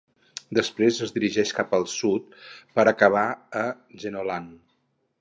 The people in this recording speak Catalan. Després es dirigeix cap al sud per acabar a Jenolan.